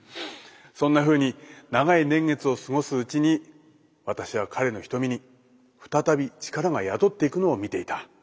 そんなふうに長い年月を過ごすうちに私は彼の瞳に再び力が宿っていくのを見ていた。